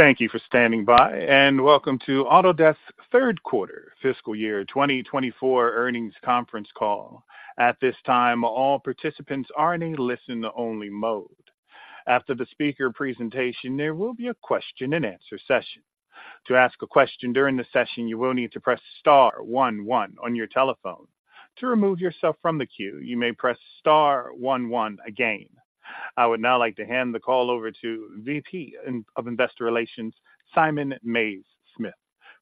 Thank you for standing by, and welcome to Autodesk's third quarter fiscal year 2024 earnings conference call. At this time, all participants are in a listen-only mode. After the speaker presentation, there will be a question-and-answer session. To ask a question during the session, you will need to press star one one on your telephone. To remove yourself from the queue, you may press star one one again. I would now like to hand the call over to VP of Investor Relations, Simon Mays-Smith.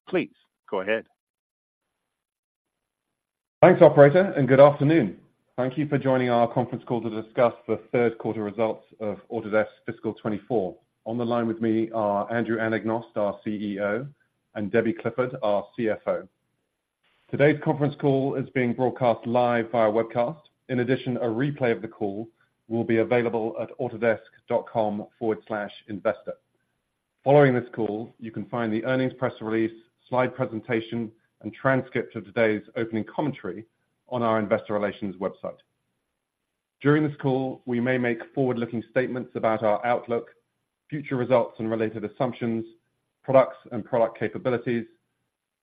Please go ahead. Thanks, operator, and good afternoon. Thank you for joining our conference call to discuss the third quarter results of Autodesk fiscal 2024. On the line with me are Andrew Anagnost, our CEO, and Debbie Clifford, our CFO. Today's conference call is being broadcast live via webcast. In addition, a replay of the call will be available at autodesk.com/investor. Following this call, you can find the earnings press release, slide presentation, and transcript of today's opening commentary on our investor relations website. During this call, we may make forward-looking statements about our outlook, future results and related assumptions, products and product capabilities,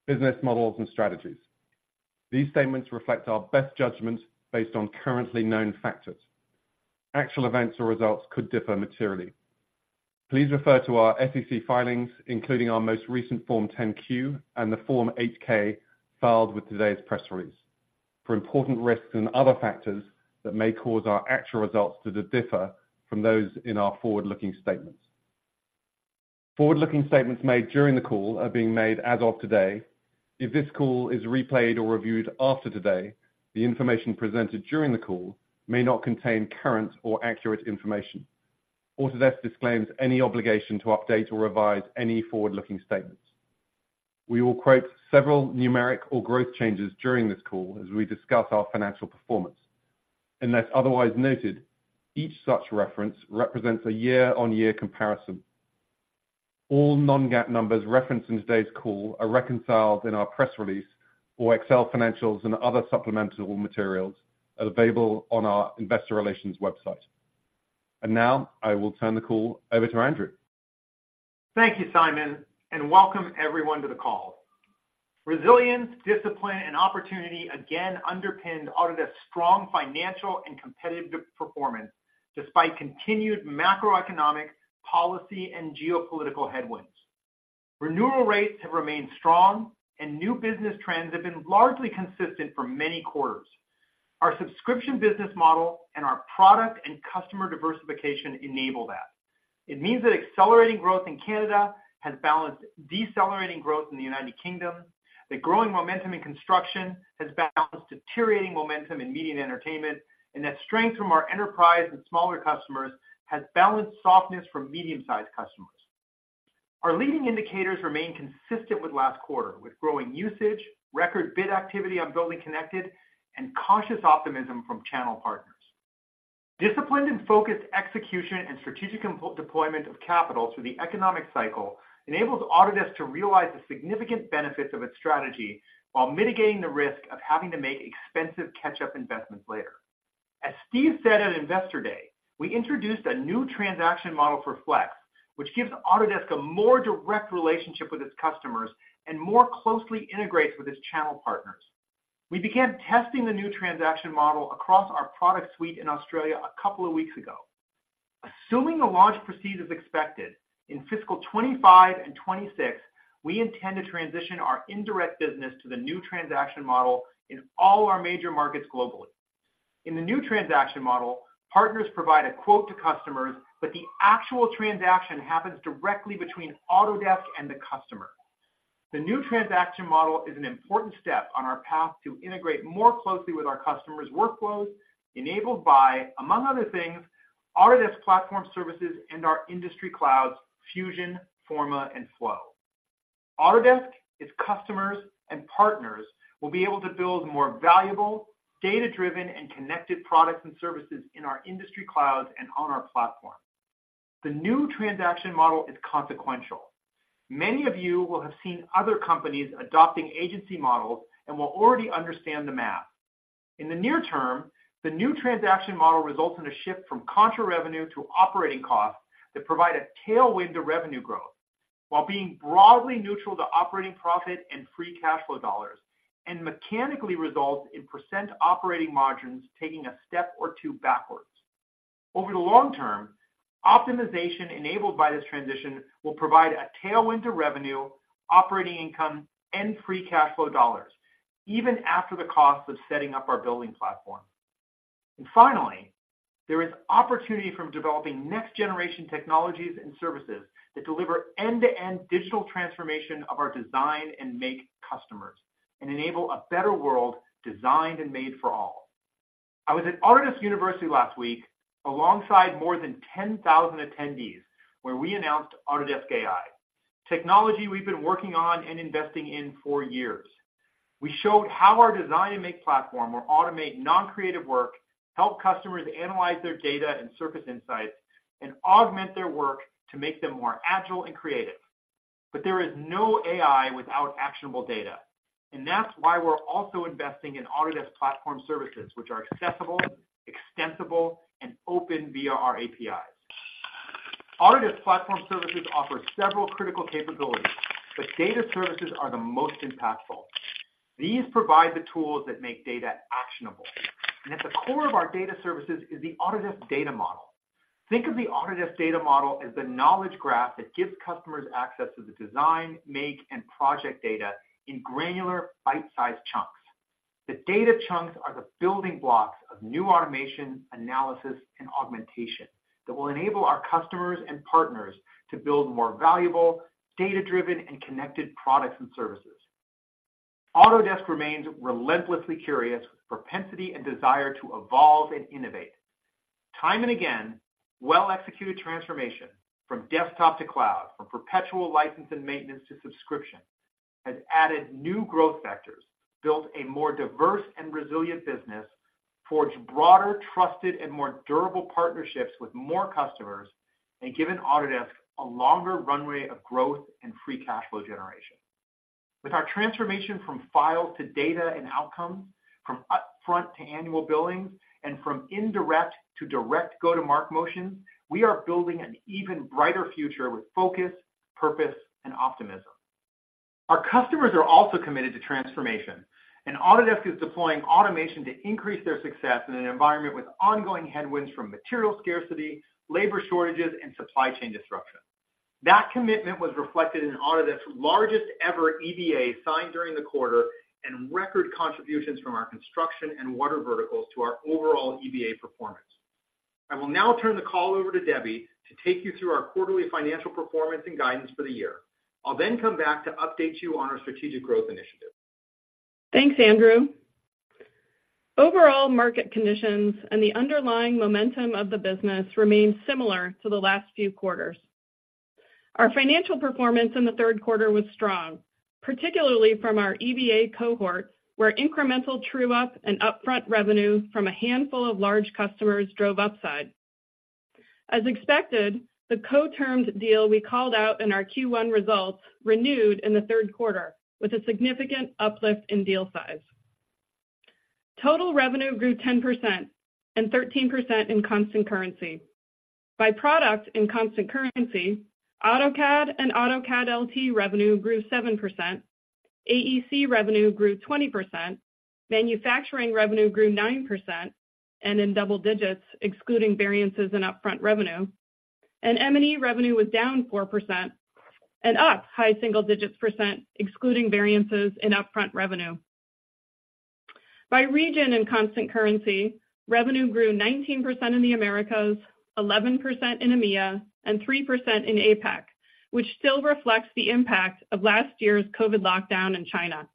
business models and strategies. These statements reflect our best judgment based on currently known factors. Actual events or results could differ materially. Please refer to our SEC filings, including our most recent Form 10-Q and the Form 8-K, filed with today's press release, for important risks and other factors that may cause our actual results to differ from those in our forward-looking statements. Forward-looking statements made during the call are being made as of today. If this call is replayed or reviewed after today, the information presented during the call may not contain current or accurate information. Autodesk disclaims any obligation to update or revise any forward-looking statements. We will quote several numeric or growth changes during this call as we discuss our financial performance. Unless otherwise noted, each such reference represents a year-on-year comparison. All non-GAAP numbers referenced in today's call are reconciled in our press release or Excel financials and other supplemental materials are available on our investor relations website. Now, I will turn the call over to Andrew. Thank you, Simon, and welcome everyone to the call. Resilience, discipline and opportunity again underpinned Autodesk's strong financial and competitive performance, despite continued macroeconomic policy and geopolitical headwinds. Renewal rates have remained strong, and new business trends have been largely consistent for many quarters. Our subscription business model and our product and customer diversification enable that. It means that accelerating growth in Canada has balanced decelerating growth in the United Kingdom, that growing momentum in construction has balanced deteriorating momentum in Media and Entertainment, and that strength from our enterprise and smaller customers has balanced softness from medium-sized customers. Our leading indicators remain consistent with last quarter, with growing usage, record bid activity on BuildingConnected, and cautious optimism from channel partners. Disciplined and focused execution and strategic deployment of capital through the economic cycle enables Autodesk to realize the significant benefits of its strategy while mitigating the risk of having to make expensive catch-up investments later. As Steve said at Investor Day, we introduced a new transaction model for Flex, which gives Autodesk a more direct relationship with its customers and more closely integrates with its channel partners. We began testing the new transaction model across our product suite in Australia a couple of weeks ago. Assuming the launch proceeds as expected, in fiscal 2025 and 2026, we intend to transition our indirect business to the new transaction model in all our major markets globally. In the new transaction model, partners provide a quote to customers, but the actual transaction happens directly between Autodesk and the customer. The new transaction model is an important step on our path to integrate more closely with our customers' workflows, enabled by, among other things, Autodesk Platform Services and our industry clouds, Fusion, Forma, and Flow. Autodesk, its customers, and partners will be able to build more valuable, data-driven, and connected products and services in our industry clouds and on our platform. The new transaction model is consequential. Many of you will have seen other companies adopting agency models and will already understand the math. In the near term, the new transaction model results in a shift from contra revenue to operating costs that provide a tailwind to revenue growth, while being broadly neutral to operating profit and free cash flow dollars, and mechanically results in percent operating margins taking a step or two backwards. Over the long term, optimization enabled by this transition will provide a tailwind to revenue, operating income, and free cash flow dollars, even after the cost of setting up our building platform. And finally, there is opportunity from developing next-generation technologies and services that deliver end-to-end digital transformation of our design and make customers, and enable a better world designed and made for all. I was at Autodesk University last week, alongside more than 10,000 attendees, where we announced Autodesk AI, technology we've been working on and investing in for years. We showed how our design and make platform will automate non-creative work, help customers analyze their data and surface insights, and augment their work to make them more agile and creative.... But there is no AI without actionable data, and that's why we're also investing in Autodesk Platform Services, which are accessible, extensible, and open via our APIs. Autodesk Platform Services offers several critical capabilities, but data services are the most impactful. These provide the tools that make data actionable, and at the core of our data services is the Autodesk Data Model. Think of the Autodesk Data Model as the knowledge graph that gives customers access to the design, make, and project data in granular, bite-sized chunks. The data chunks are the building blocks of new automation, analysis, and augmentation that will enable our customers and partners to build more valuable, data-driven, and connected products and services. Autodesk remains relentlessly curious, with propensity and desire to evolve and innovate. Time and again, well-executed transformation from desktop to cloud, from perpetual license and maintenance to subscription, has added new growth vectors, built a more diverse and resilient business, forged broader, trusted, and more durable partnerships with more customers, and given Autodesk a longer runway of growth and free cash flow generation. With our transformation from file to data and outcome, from upfront to annual billings, and from indirect to direct go-to-market motions, we are building an even brighter future with focus, purpose, and optimism. Our customers are also committed to transformation, and Autodesk is deploying automation to increase their success in an environment with ongoing headwinds from material scarcity, labor shortages, and supply chain disruption. That commitment was reflected in Autodesk's largest-ever EBA signed during the quarter, and record contributions from our construction and water verticals to our overall EBA performance. I will now turn the call over to Debbie to take you through our quarterly financial performance and guidance for the year. I'll then come back to update you on our strategic growth initiatives. Thanks, Andrew. Overall market conditions and the underlying momentum of the business remained similar to the last few quarters. Our financial performance in the third quarter was strong, particularly from our EBA cohort, where incremental true-up and upfront revenue from a handful of large customers drove upside. As expected, the co-termed deal we called out in our Q1 results renewed in the third quarter with a significant uplift in deal size. Total revenue grew 10% and 13% in constant currency. By product, in constant currency, AutoCAD and AutoCAD LT revenue grew 7%, AEC revenue grew 20%, manufacturing revenue grew 9%, and in double digits, excluding variances in upfront revenue, and M&E revenue was down 4% and up high single digits %, excluding variances in upfront revenue. By region and constant currency, revenue grew 19% in the Americas, 11% in EMEA, and 3% in APAC, which still reflects the impact of last year's COVID lockdown in China.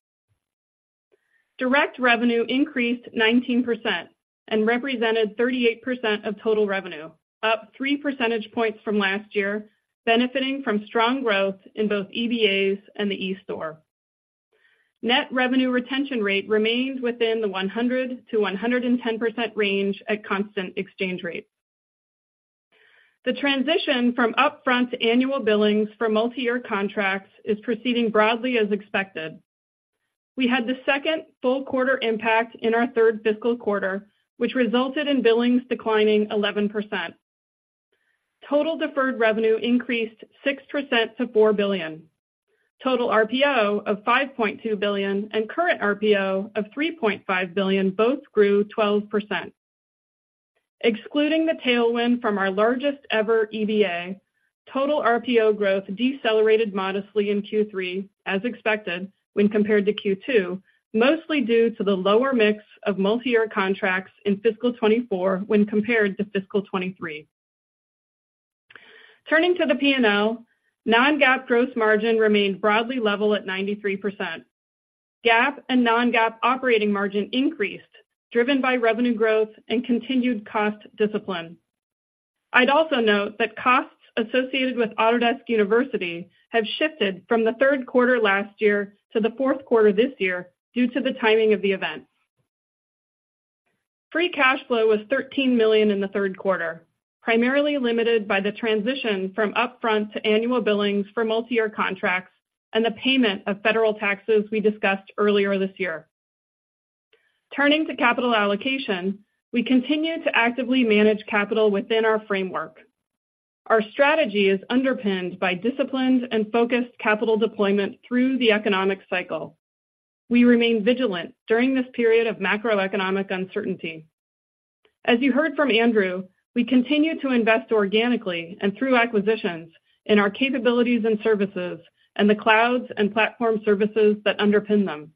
Direct revenue increased 19% and represented 38% of total revenue, up three percentage points from last year, benefiting from strong growth in both EBAs and the eStore. Net revenue retention rate remains within the 100%-110% range at constant exchange rate. The transition from upfront to annual billings for multi-year contracts is proceeding broadly as expected. We had the second full quarter impact in our third fiscal quarter, which resulted in billings declining 11%. Total deferred revenue increased 6% to $4 billion. Total RPO of $5.2 billion and current RPO of $3.5 billion both grew 12%. Excluding the tailwind from our largest-ever EBA, total RPO growth decelerated modestly in Q3, as expected, when compared to Q2, mostly due to the lower mix of multi-year contracts in fiscal 2024 when compared to fiscal 2023. Turning to the P&L, non-GAAP gross margin remained broadly level at 93%. GAAP and non-GAAP operating margin increased, driven by revenue growth and continued cost discipline. I'd also note that costs associated with Autodesk University have shifted from the third quarter last year to the fourth quarter this year due to the timing of the events. Free cash flow was $13 million in the third quarter, primarily limited by the transition from upfront to annual billings for multi-year contracts and the payment of federal taxes we discussed earlier this year. Turning to capital allocation, we continue to actively manage capital within our framework. Our strategy is underpinned by disciplined and focused capital deployment through the economic cycle. We remain vigilant during this period of macroeconomic uncertainty. As you heard from Andrew, we continue to invest organically and through acquisitions in our capabilities and services, and the clouds and platform services that underpin them.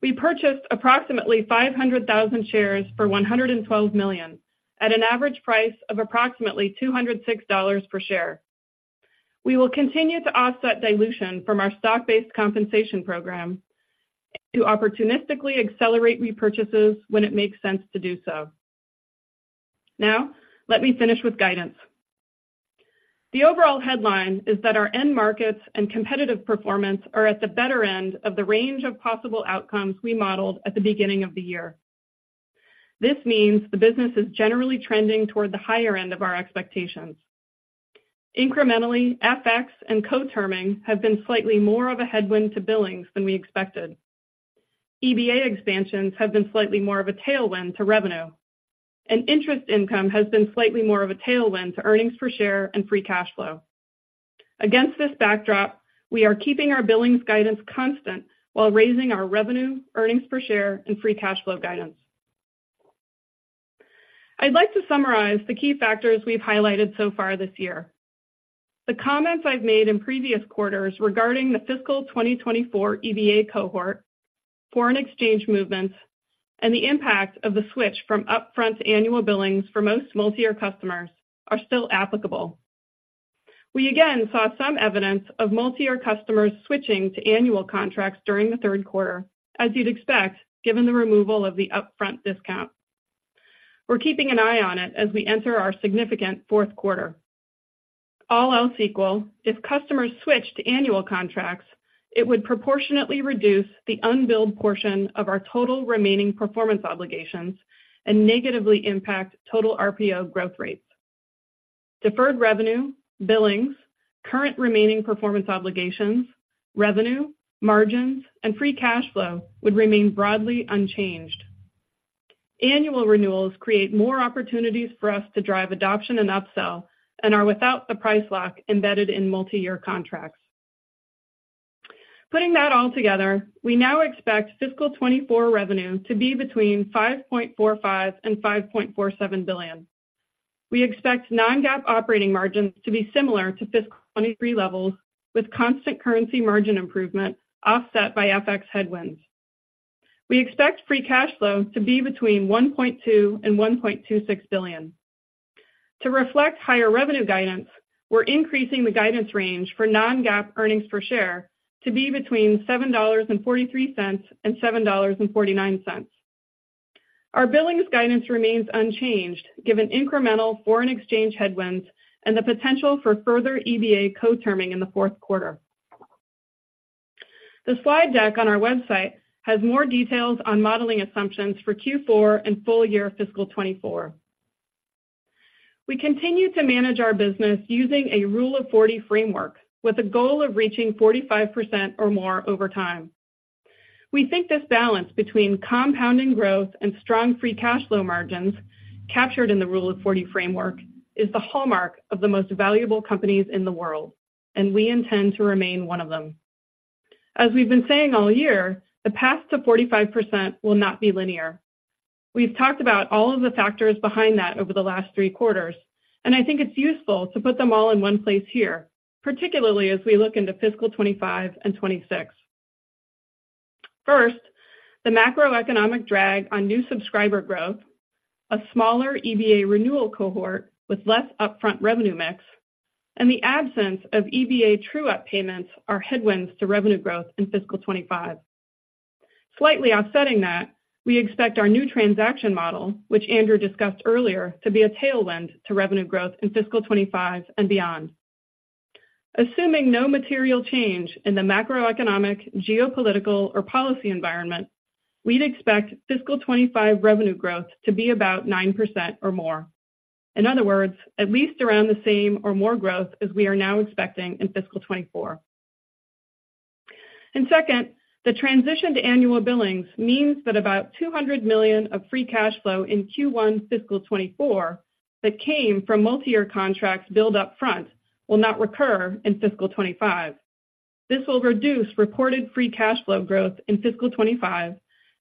We purchased approximately 500,000 shares for $112 million, at an average price of approximately $206 per share. We will continue to offset dilution from our stock-based compensation program to opportunistically accelerate repurchases when it makes sense to do so. Now, let me finish with guidance. The overall headline is that our end markets and competitive performance are at the better end of the range of possible outcomes we modeled at the beginning of the year. This means the business is generally trending toward the higher end of our expectations. Incrementally, FX and co-terming have been slightly more of a headwind to billings than we expected. EBA expansions have been slightly more of a tailwind to revenue, and interest income has been slightly more of a tailwind to earnings per share and free cash flow. Against this backdrop, we are keeping our billings guidance constant while raising our revenue, earnings per share, and free cash flow guidance. I'd like to summarize the key factors we've highlighted so far this year. The comments I've made in previous quarters regarding the fiscal 2024 EBA cohort, foreign exchange movements, and the impact of the switch from upfront annual billings for most multi-year customers are still applicable. We again saw some evidence of multi-year customers switching to annual contracts during the third quarter, as you'd expect, given the removal of the upfront discount. We're keeping an eye on it as we enter our significant fourth quarter. All else equal, if customers switch to annual contracts, it would proportionately reduce the unbilled portion of our total remaining performance obligations and negatively impact total RPO growth rates. Deferred revenue, billings, current remaining performance obligations, revenue, margins, and free cash flow would remain broadly unchanged. Annual renewals create more opportunities for us to drive adoption and upsell and are without the price lock embedded in multi-year contracts. Putting that all together, we now expect fiscal 2024 revenue to be between $5.45 billion and $5.47 billion. We expect non-GAAP operating margins to be similar to fiscal 2023 levels, with constant currency margin improvement offset by FX headwinds. We expect free cash flow to be between $1.2 billion and $1.26 billion. To reflect higher revenue guidance, we're increasing the guidance range for non-GAAP earnings per share to be between $7.43 and $7.49. Our billings guidance remains unchanged, given incremental foreign exchange headwinds and the potential for further EBA co-terming in the fourth quarter. The slide deck on our website has more details on modeling assumptions for Q4 and full year fiscal 2024. We continue to manage our business using a Rule of 40 framework, with a goal of reaching 45% or more over time. We think this balance between compounding growth and strong free cash flow margins, captured in the Rule of 40 framework, is the hallmark of the most valuable companies in the world, and we intend to remain one of them. As we've been saying all year, the path to 45% will not be linear. We've talked about all of the factors behind that over the last three quarters, and I think it's useful to put them all in one place here, particularly as we look into fiscal 2025 and 2026. First, the macroeconomic drag on new subscriber growth, a smaller EBA renewal cohort with less upfront revenue mix, and the absence of EBA true-up payments are headwinds to revenue growth in fiscal 2025. Slightly offsetting that, we expect our new transaction model, which Andrew discussed earlier, to be a tailwind to revenue growth in fiscal 2025 and beyond. Assuming no material change in the macroeconomic, geopolitical, or policy environment, we'd expect fiscal 2025 revenue growth to be about 9% or more. In other words, at least around the same or more growth as we are now expecting in fiscal 2024. Second, the transition to annual billings means that about $200 million of free cash flow in Q1 fiscal 2024 that came from multi-year contracts billed upfront will not recur in fiscal 2025. This will reduce reported free cash flow growth in fiscal 2025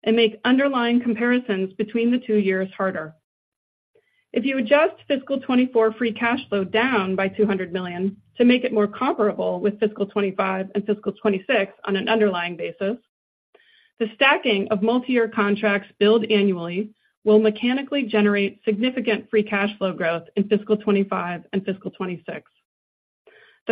and make underlying comparisons between the two years harder. If you adjust fiscal 2024 free cash flow down by $200 million to make it more comparable with fiscal 2025 and fiscal 2026 on an underlying basis, the stacking of multi-year contracts billed annually will mechanically generate significant free cash flow growth in fiscal 2025 and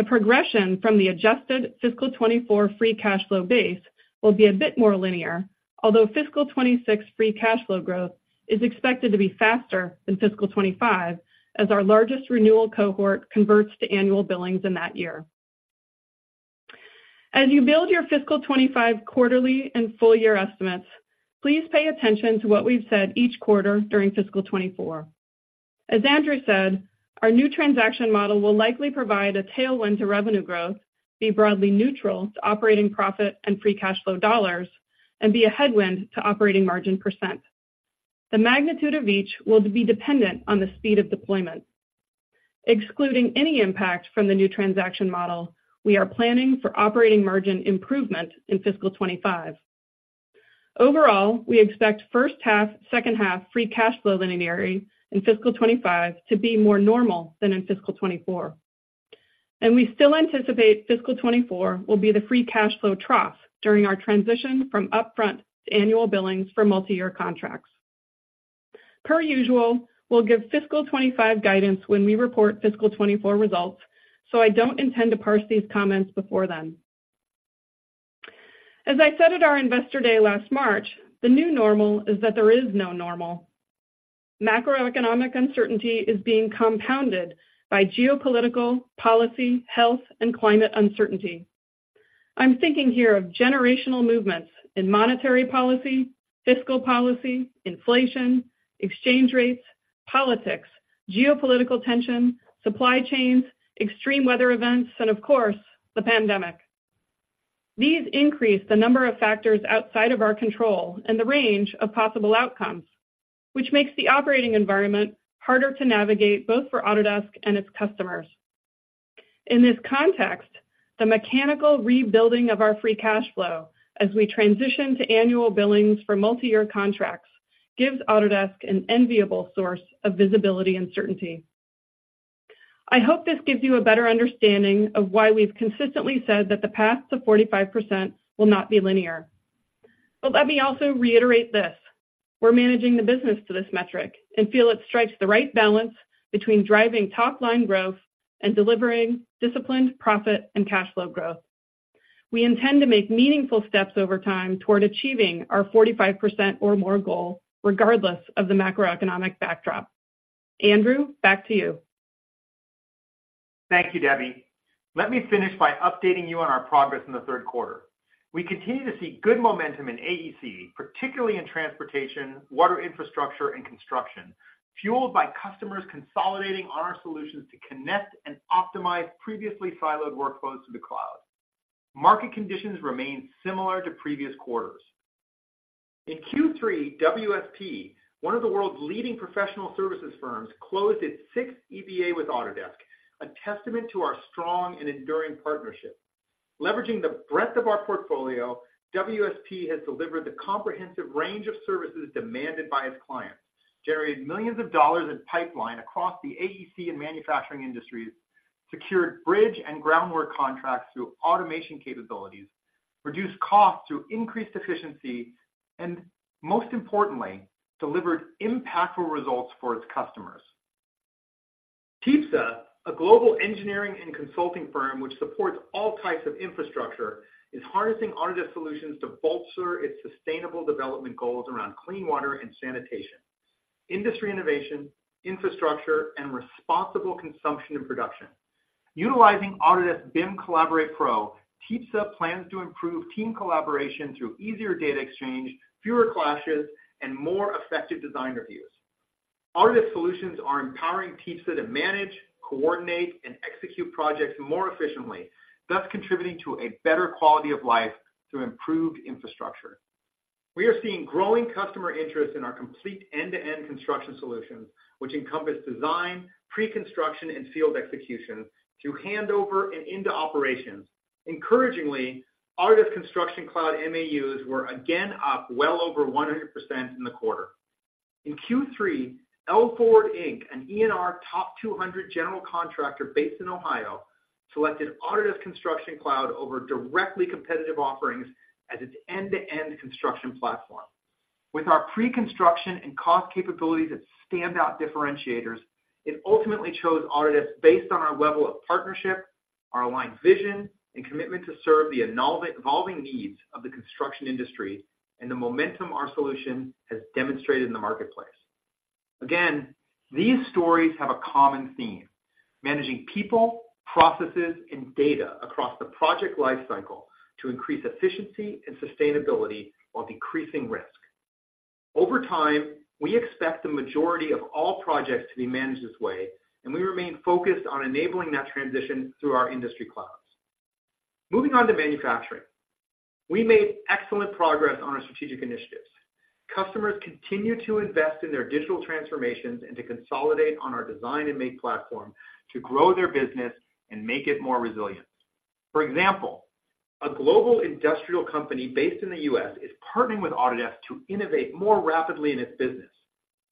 fiscal 2026. The progression from the adjusted fiscal 2024 free cash flow base will be a bit more linear, although fiscal 2026 free cash flow growth is expected to be faster than fiscal 2025, as our largest renewal cohort converts to annual billings in that year. As you build your fiscal 2025 quarterly and full year estimates, please pay attention to what we've said each quarter during fiscal 2024. As Andrew said, our new transaction model will likely provide a tailwind to revenue growth, be broadly neutral to operating profit and free cash flow dollars, and be a headwind to operating margin percent. The magnitude of each will be dependent on the speed of deployment. Excluding any impact from the new transaction model, we are planning for operating margin improvement in fiscal 2025. Overall, we expect first half, second half free cash flow linearity in fiscal 2025 to be more normal than in fiscal 2024. We still anticipate fiscal 2024 will be the free cash flow trough during our transition from upfront to annual billings for multi-year contracts. Per usual, we'll give fiscal 2025 guidance when we report fiscal 2024 results, so I don't intend to parse these comments before then. As I said at our Investor Day last March, the new normal is that there is no normal. Macroeconomic uncertainty is being compounded by geopolitical, policy, health, and climate uncertainty.... I'm thinking here of generational movements in monetary policy, fiscal policy, inflation, exchange rates, politics, geopolitical tension, supply chains, extreme weather events, and of course, the pandemic. These increase the number of factors outside of our control and the range of possible outcomes, which makes the operating environment harder to navigate, both for Autodesk and its customers. In this context, the mechanical rebuilding of our Free Cash Flow as we transition to annual billings for multi-year contracts, gives Autodesk an enviable source of visibility and certainty. I hope this gives you a better understanding of why we've consistently said that the path to 45% will not be linear. But let me also reiterate this, we're managing the business to this metric and feel it strikes the right balance between driving top line growth and delivering disciplined profit and cash flow growth. We intend to make meaningful steps over time toward achieving our 45% or more goal, regardless of the macroeconomic backdrop. Andrew, back to you. Thank you, Debbie. Let me finish by updating you on our progress in the third quarter. We continue to see good momentum in AEC, particularly in transportation, water infrastructure, and construction, fueled by customers consolidating on our solutions to connect and optimize previously siloed workflows to the cloud. Market conditions remain similar to previous quarters. In Q3, WSP, one of the world's leading professional services firms, closed its sixth EBA with Autodesk, a testament to our strong and enduring partnership. Leveraging the breadth of our portfolio, WSP has delivered the comprehensive range of services demanded by its clients, generated millions of dollars in pipeline across the AEC and manufacturing industries, secured bridge and groundwork contracts through automation capabilities, reduced costs through increased efficiency, and most importantly, delivered impactful results for its customers. TYPSA, a global engineering and consulting firm, which supports all types of infrastructure, is harnessing Autodesk solutions to bolster its sustainable development goals around clean water and sanitation, industry innovation, infrastructure, and responsible consumption and production. Utilizing Autodesk BIM Collaborate Pro, TYPSA plans to improve team collaboration through easier data exchange, fewer clashes, and more effective design reviews. Autodesk solutions are empowering TYPSA to manage, coordinate, and execute projects more efficiently, thus contributing to a better quality of life through improved infrastructure. We are seeing growing customer interest in our complete end-to-end construction solutions, which encompass design, pre-construction, and field execution through handover and into operations. Encouragingly, Autodesk Construction Cloud MAUs were again up well over 100% in the quarter. In Q3, L. Keeley Construction, an ENR top 200 general contractor based in Ohio, selected Autodesk Construction Cloud over directly competitive offerings as its end-to-end construction platform. With our pre-construction and cost capabilities as standout differentiators, it ultimately chose Autodesk based on our level of partnership, our aligned vision, and commitment to serve the evolving needs of the construction industry, and the momentum our solution has demonstrated in the marketplace. Again, these stories have a common theme, managing people, processes, and data across the project lifecycle to increase efficiency and sustainability while decreasing risk. Over time, we expect the majority of all projects to be managed this way, and we remain focused on enabling that transition through our industry clouds. Moving on to manufacturing. We made excellent progress on our strategic initiatives. Customers continue to invest in their digital transformations and to consolidate on our design and make platform to grow their business and make it more resilient. For example, a global industrial company based in the U.S. is partnering with Autodesk to innovate more rapidly in its business.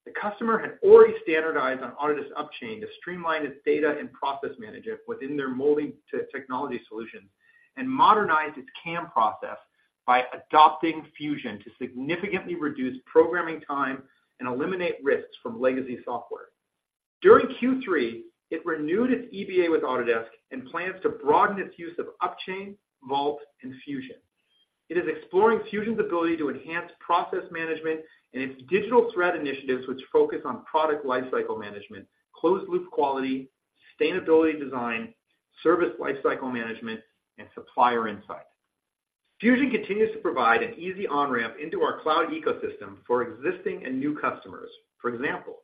The customer had already standardized on Autodesk Upchain to streamline its data and process management within their molding technology solutions, and modernize its CAM process by adopting Fusion to significantly reduce programming time and eliminate risks from legacy software. During Q3, it renewed its EBA with Autodesk and plans to broaden its use of Upchain, Vault, and Fusion. It is exploring Fusion's ability to enhance process management and its digital thread initiatives, which focus on product lifecycle management, closed loop quality, sustainability design, service lifecycle management, and supplier insight. Fusion continues to provide an easy on-ramp into our cloud ecosystem for existing and new customers. For example,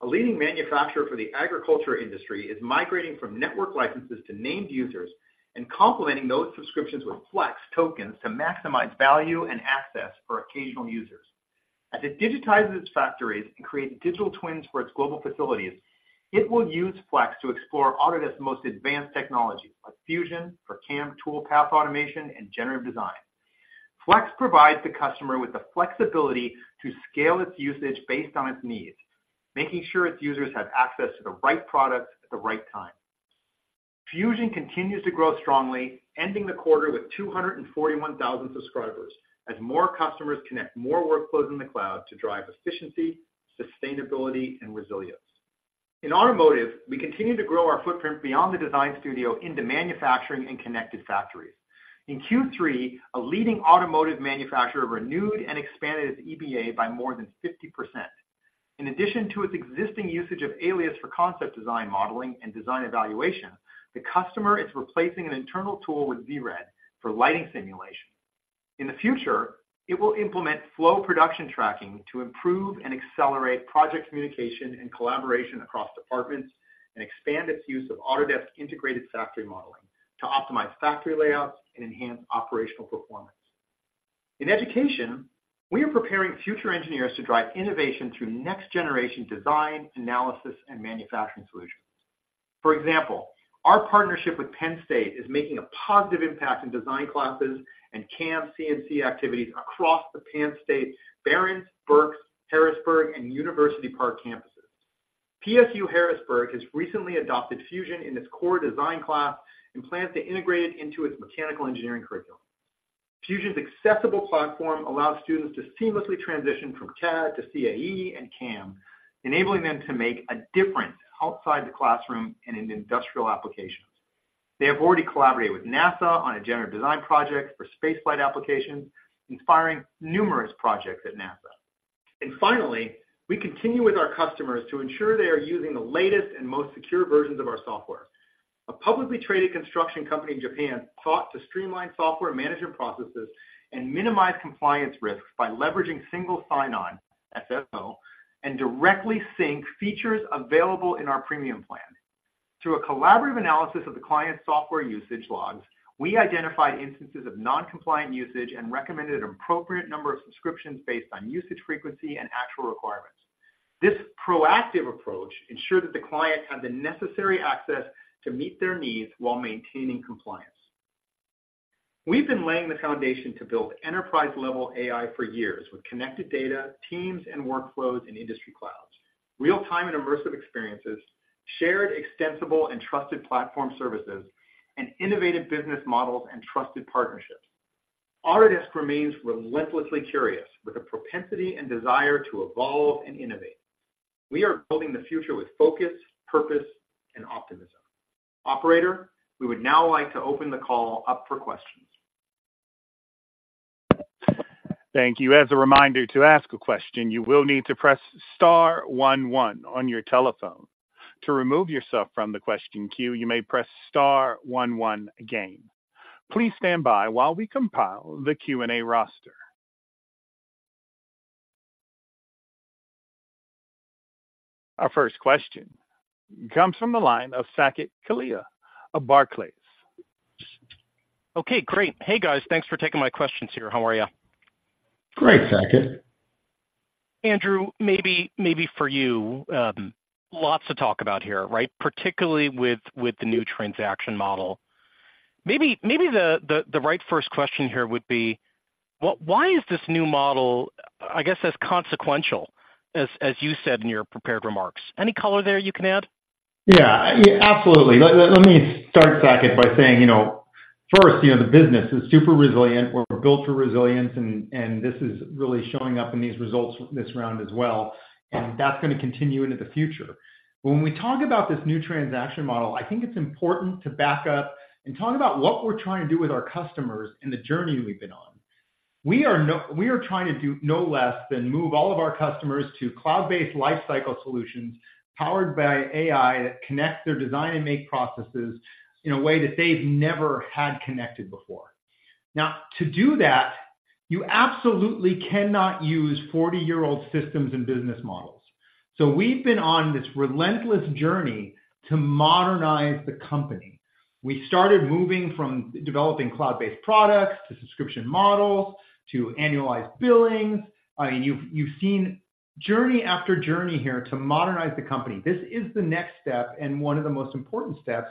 a leading manufacturer for the agriculture industry is migrating from network licenses to named users and complementing those subscriptions with Flex tokens to maximize value and access for occasional users. As it digitizes its factories and creates digital twins for its global facilities, it will use Flex to explore Autodesk's most advanced technology, like Fusion, for CAM toolpath automation, and generative design. Flex provides the customer with the flexibility to scale its usage based on its needs, making sure its users have access to the right product at the right time. Fusion continues to grow strongly, ending the quarter with 241,000 subscribers, as more customers connect more workflows in the cloud to drive efficiency, sustainability, and resilience. In automotive, we continue to grow our footprint beyond the design studio into manufacturing and connected factories. In Q3, a leading automotive manufacturer renewed and expanded its EBA by more than 50%. In addition to its existing usage of Alias for concept design modeling and design evaluation, the customer is replacing an internal tool with VRED for lighting simulation. In the future, it will implement Flow production tracking to improve and accelerate project communication and collaboration across departments and expand its use of Autodesk integrated factory modeling to optimize factory layouts and enhance operational performance. In education, we are preparing future engineers to drive innovation through next-generation design, analysis, and manufacturing solutions. For example, our partnership with Penn State is making a positive impact in design classes and CAM/CNC activities across the Penn State Behrend, Berks, Harrisburg, and University Park campuses. PSU Harrisburg has recently adopted Fusion in its core design class and plans to integrate it into its mechanical engineering curriculum. Fusion's accessible platform allows students to seamlessly transition from CAD to CAE and CAM, enabling them to make a difference outside the classroom and in industrial applications. They have already collaborated with NASA on a general design project for spaceflight applications, inspiring numerous projects at NASA. Finally, we continue with our customers to ensure they are using the latest and most secure versions of our software. A publicly traded construction company in Japan sought to streamline software management processes and minimize compliance risks by leveraging single sign-on, SSO, and Directory Sync features available in our premium plan. Through a collaborative analysis of the client's software usage logs, we identified instances of non-compliant usage and recommended an appropriate number of subscriptions based on usage frequency and actual requirements. This proactive approach ensured that the client had the necessary access to meet their needs while maintaining compliance. We've been laying the foundation to build enterprise-level AI for years with connected data, teams, and workflows in industry clouds, real-time and immersive experiences, shared extensible and trusted platform services, and innovative business models and trusted partnerships. Autodesk remains relentlessly curious, with a propensity and desire to evolve and innovate. We are building the future with focus, purpose, and optimism. Operator, we would now like to open the call up for questions. Thank you. As a reminder, to ask a question, you will need to press star one one on your telephone. To remove yourself from the question queue, you may press star one one again. Please stand by while we compile the Q&A roster. Our first question comes from the line of Saket Kalia of Barclays. Okay, great. Hey, guys. Thanks for taking my questions here. How are you? Great, Saket. Andrew, maybe for you, lots to talk about here, right? Particularly with the new transaction model. Maybe the right first question here would be: what, why is this new model, I guess, as consequential as you said in your prepared remarks? Any color there you can add? Yeah, absolutely. Let me start, Saket, by saying, you know, first, you know, the business is super resilient. We're built for resilience, and this is really showing up in these results this round as well, and that's going to continue into the future. When we talk about this new transaction model, I think it's important to back up and talk about what we're trying to do with our customers and the journey we've been on. We are trying to do no less than move all of our customers to cloud-based lifecycle solutions powered by AI that connect their design and make processes in a way that they've never had connected before. Now, to do that, you absolutely cannot use 40-year-old systems and business models. So we've been on this relentless journey to modernize the company. We started moving from developing cloud-based products to subscription models to annualized billings. I mean, you've seen journey after journey here to modernize the company. This is the next step and one of the most important steps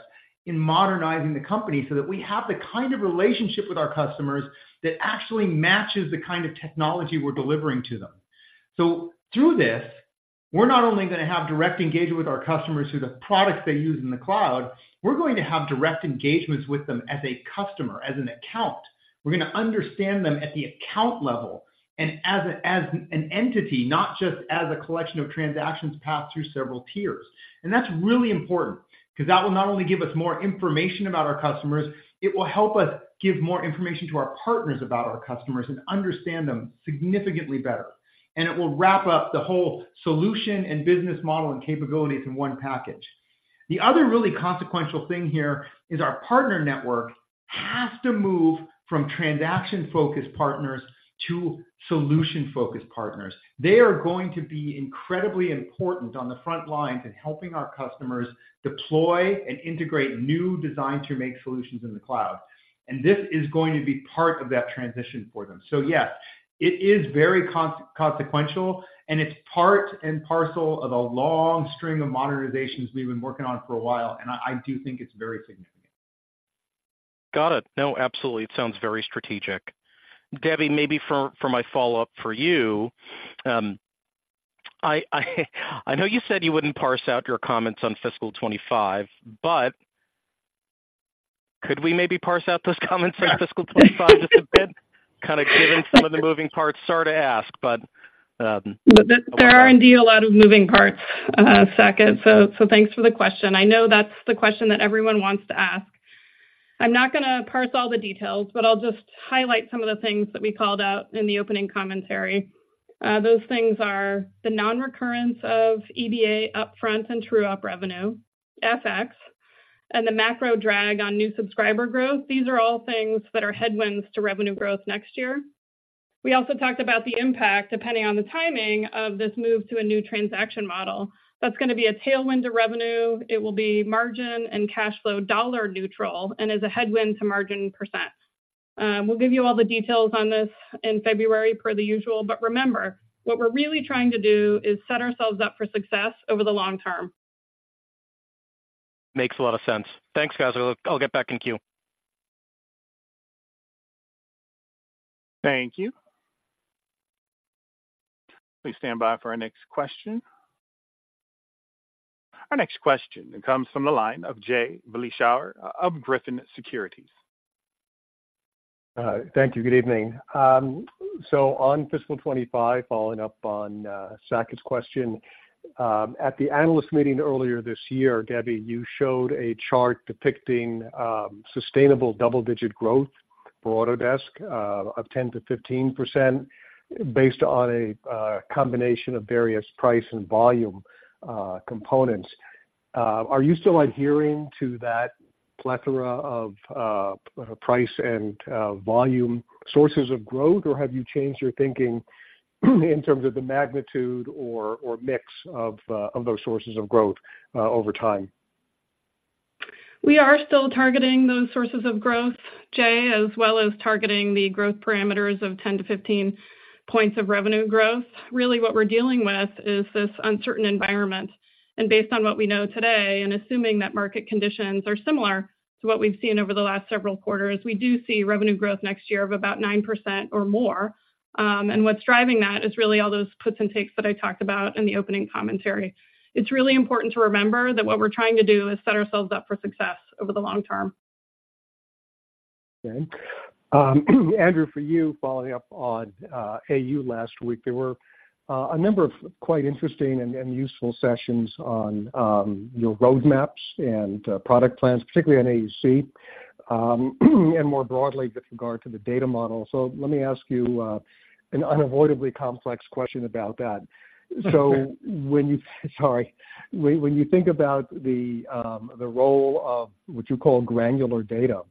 in modernizing the company, so that we have the kind of relationship with our customers that actually matches the kind of technology we're delivering to them. So through this, we're not only going to have direct engagement with our customers through the products they use in the cloud, we're going to have direct engagements with them as a customer, as an account. We're going to understand them at the account level and as an entity, not just as a collection of transactions passed through several tiers. And that's really important because that will not only give us more information about our customers, it will help us give more information to our partners about our customers and understand them significantly better. And it will wrap up the whole solution and business model and capabilities in one package. The other really consequential thing here is our partner network has to move from transaction-focused partners to solution-focused partners. They are going to be incredibly important on the front lines in helping our customers deploy and integrate new design to make solutions in the cloud. And this is going to be part of that transition for them. So yes, it is very consequential, and it's part and parcel of a long string of modernizations we've been working on for a while, and I do think it's very significant. Got it. No, absolutely. It sounds very strategic. Debbie, maybe for my follow-up for you, I know you said you wouldn't parse out your comments on fiscal 25, but could we maybe parse out those comments on fiscal 25 just a bit, kind of given some of the moving parts? Sorry to ask, but- There are indeed a lot of moving parts, Saket, so thanks for the question. I know that's the question that everyone wants to ask. I'm not gonna parse all the details, but I'll just highlight some of the things that we called out in the opening commentary. Those things are the nonrecurrence of EBA upfront and true-up revenue, FX, and the macro drag on new subscriber growth. These are all things that are headwinds to revenue growth next year. We also talked about the impact, depending on the timing, of this move to a new transaction model. That's gonna be a tailwind to revenue. It will be margin and cash flow dollar neutral, and is a headwind to margin percent. We'll give you all the details on this in February, per the usual. But remember, what we're really trying to do is set ourselves up for success over the long term. Makes a lot of sense. Thanks, guys. I'll get back in queue. Thank you. Please stand by for our next question. Our next question comes from the line of Jay Vleeschhouwer of Griffin Securities. Thank you. Good evening. So on fiscal 25, following up on Saket's question, at the analyst meeting earlier this year, Debbie, you showed a chart depicting sustainable double-digit growth for Autodesk of 10%-15%, based on a combination of various price and volume components. Are you still adhering to that plethora of price and volume sources of growth, or have you changed your thinking in terms of the magnitude or mix of those sources of growth over time? We are still targeting those sources of growth, Jay, as well as targeting the growth parameters of 10-15 points of revenue growth. Really, what we're dealing with is this uncertain environment. Based on what we know today, and assuming that market conditions are similar to what we've seen over the last several quarters, we do see revenue growth next year of about 9% or more. And what's driving that is really all those puts and takes that I talked about in the opening commentary. It's really important to remember that what we're trying to do is set ourselves up for success over the long term. Okay. Andrew, for you, following up on AU last week, there were a number of quite interesting and useful sessions on your roadmaps and product plans, particularly on AEC and more broadly with regard to the data model. So let me ask you an unavoidably complex question about that. So when you think about the role of what you call granular data,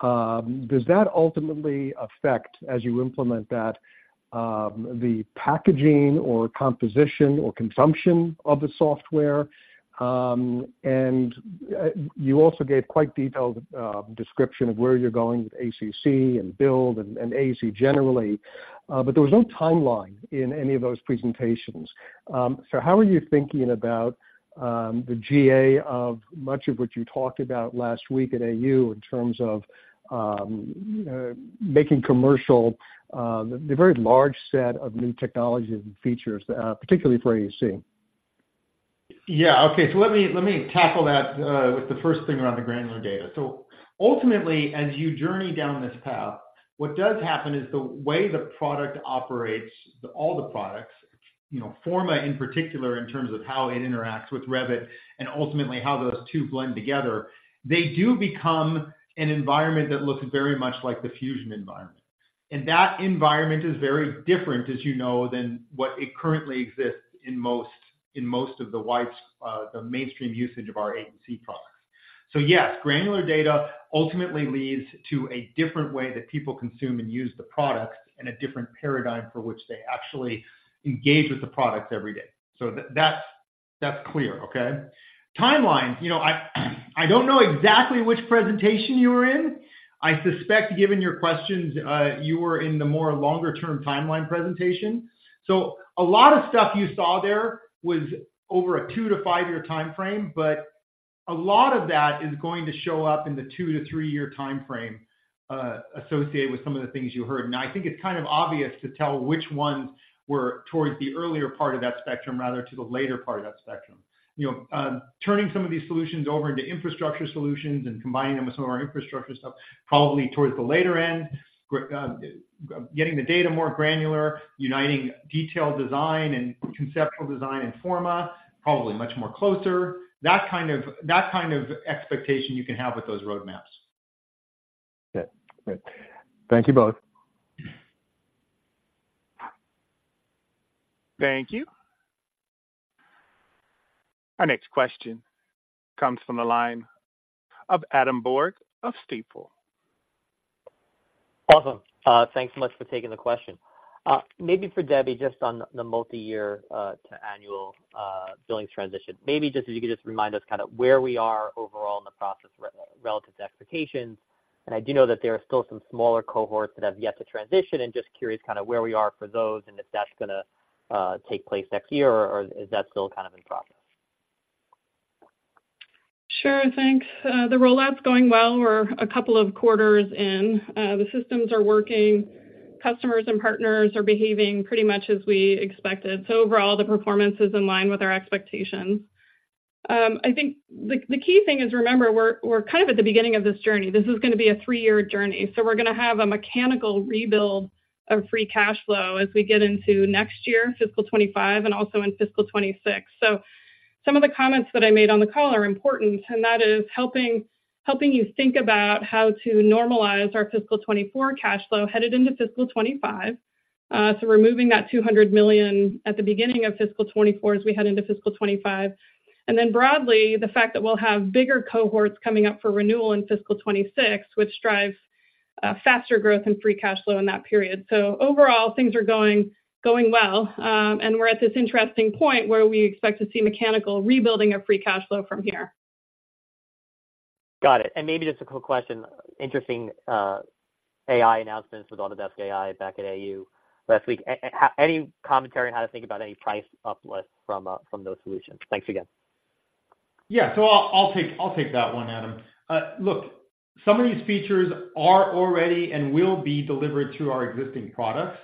does that ultimately affect, as you implement that, the packaging or composition or consumption of the software? And you also gave quite detailed description of where you're going with ACC and Build and AEC generally, but there was no timeline in any of those presentations. So how are you thinking about the GA of much of what you talked about last week at AU in terms of making commercial the very large set of new technologies and features, particularly for AEC? Yeah. Okay, so let me, let me tackle that with the first thing around the granular data. So ultimately, as you journey down this path, what does happen is the way the product operates, all the products, you know, Forma in particular, in terms of how it interacts with Revit and ultimately how those two blend together, they do become an environment that looks very much like the Fusion environment. And that environment is very different, as you know, than what it currently exists in most, in most of the worldwide, the mainstream usage of our AEC products. So yes, granular data ultimately leads to a different way that people consume and use the products, and a different paradigm for which they actually engage with the products every day. So that's, that's clear, okay? Timelines. You know, I, I don't know exactly which presentation you were in. I suspect, given your questions, you were in the more longer-term timeline presentation. So a lot of stuff you saw there was over a two to five year timeframe, but a lot of that is going to show up in the 2-3-year timeframe, associated with some of the things you heard. And I think it's kind of obvious to tell which ones were towards the earlier part of that spectrum, rather to the later part of that spectrum. You know, turning some of these solutions over into infrastructure solutions and combining them with some of our infrastructure stuff, probably towards the later end. Getting the data more granular, uniting detailed design and conceptual design and Forma, probably much more closer. That kind of, that kind of expectation you can have with those roadmaps. Okay, great. Thank you both. Thank you. Our next question comes from the line of Adam Borg of Stifel. Awesome. Thanks so much for taking the question. Maybe for Debbie, just on the multiyear to annual billings transition. Maybe just if you could just remind us kind of where we are overall in the process relative to expectations. And I do know that there are still some smaller cohorts that have yet to transition, and just curious kind of where we are for those and if that's gonna take place next year, or, or is that still kind of in process? Sure, thanks. The rollout's going well. We're a couple of quarters in. The systems are working. Customers and partners are behaving pretty much as we expected. So overall, the performance is in line with our expectations. I think the key thing is, remember, we're kind of at the beginning of this journey. This is gonna be a 3-year journey, so we're gonna have a mechanical rebuild of free cash flow as we get into next year, fiscal 2025, and also in fiscal 2026. Some of the comments that I made on the call are important, and that is helping you think about how to normalize our fiscal 2024 cash flow headed into fiscal 2025. So removing that $200 million at the beginning of fiscal 2024 as we head into fiscal 2025. Then broadly, the fact that we'll have bigger cohorts coming up for renewal in fiscal 2026, which drives faster growth in free cash flow in that period. So overall, things are going, going well. And we're at this interesting point where we expect to see mechanical rebuilding of free cash flow from here. Got it. And maybe just a quick question. Interesting, AI announcements with all the best AI back at AU last week. Any commentary on how to think about any price uplift from those solutions? Thanks again. Yeah. So I'll, I'll take, I'll take that one, Adam. Look, some of these features are already and will be delivered through our existing products.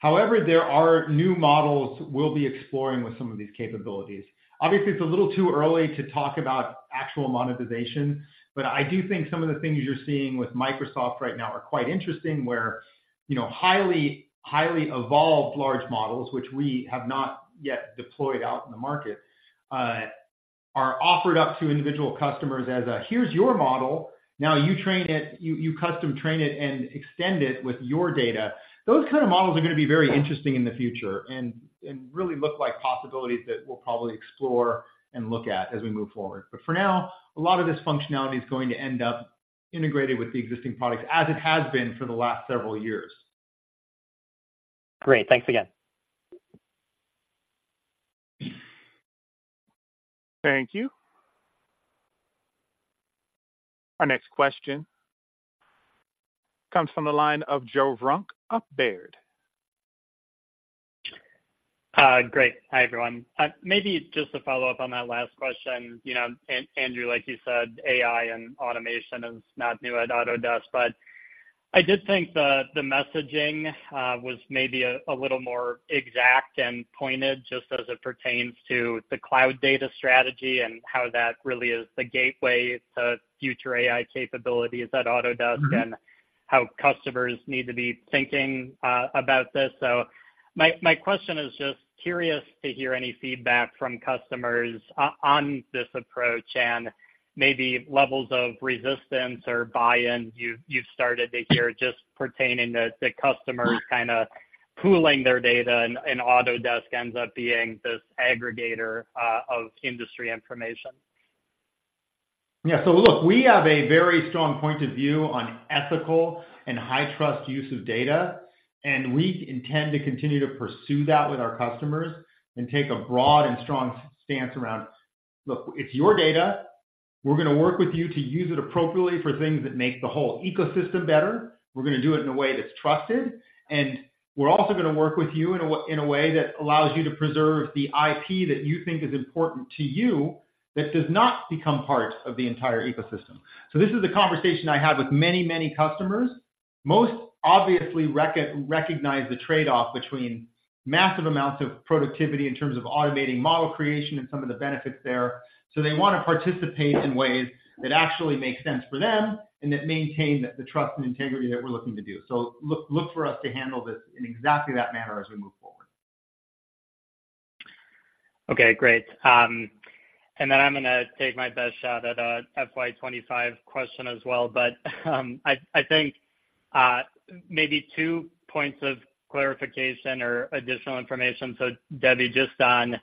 However, there are new models we'll be exploring with some of these capabilities. Obviously, it's a little too early to talk about actual monetization, but I do think some of the things you're seeing with Microsoft right now are quite interesting, where, you know, highly, highly evolved large models, which we have not yet deployed out in the market, are offered up to individual customers as a, "Here's your model. Now you train it, you, you custom train it and extend it with your data." Those kind of models are going to be very interesting in the future and, and really look like possibilities that we'll probably explore and look at as we move forward. For now, a lot of this functionality is going to end up integrated with the existing products, as it has been for the last several years. Great. Thanks again. Thank you. Our next question comes from the line of Joe Vruwink of Baird. Great. Hi, everyone. Maybe just to follow up on that last question. You know, Andrew, like you said, AI and automation is not new at Autodesk, but I did think the messaging was maybe a little more exact and pointed, just as it pertains to the cloud data strategy and how that really is the gateway to future AI capabilities at Autodesk. Mm-hmm. and how customers need to be thinking about this. So my question is just curious to hear any feedback from customers on this approach, and maybe levels of resistance or buy-in you've started to hear, just pertaining to the customers kind of pooling their data, and Autodesk ends up being this aggregator of industry information. Yeah. So look, we have a very strong point of view on ethical and high trust use of data, and we intend to continue to pursue that with our customers and take a broad and strong stance around: Look, it's your data. We're going to work with you to use it appropriately for things that make the whole ecosystem better. We're going to do it in a way that's trusted, and we're also going to work with you in a way that allows you to preserve the IP that you think is important to you, that does not become part of the entire ecosystem. So this is a conversation I have with many, many customers. Most obviously recognize the trade-off between massive amounts of productivity in terms of automating model creation and some of the benefits there. So they want to participate in ways that actually make sense for them and that maintain the trust and integrity that we're looking to do. So look, look for us to handle this in exactly that manner as we move forward. Okay, great. And then I'm going to take my best shot at a FY 2025 question as well. But, I, I think, maybe two points of clarification or additional information. So Debbie, just on